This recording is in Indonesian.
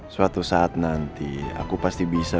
suatu saat nanti aku pasti bisa